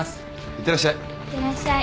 いってらっしゃい。